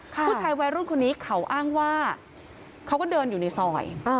ผู้ชายวัยรุ่นคนนี้เขาอ้างว่าเขาก็เดินอยู่ในซอย